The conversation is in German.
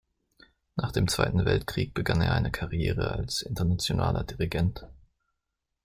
Nach dem Zweiten Weltkrieg begann er eine Karriere als internationaler Dirigent.